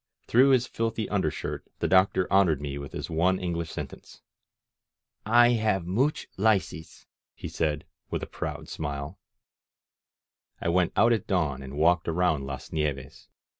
Through his filthy undjer shirt tiie Doctor honored me with his one English sen tence: "I have mooch lices," he said, with a proud smile. ••• S6 INSURGENT MEXICO I went out at dawn and walked around Las Nieves.